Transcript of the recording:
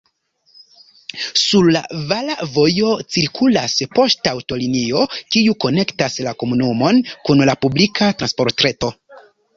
Sur la vala vojo cirkulas poŝtaŭtolinio, kiu konektas la komunumon kun la publika transportreto.